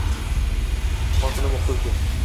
Xotinim o'qituvchi.